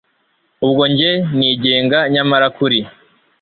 ubwo njye nigenga nyamara kuri